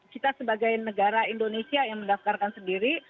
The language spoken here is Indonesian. kita sebagai negara indonesia yang mendaftarkan sendiri